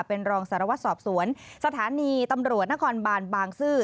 เป็นรองสารวัตรสอบสวนสถานีตำรวจนครบานบางซื่อ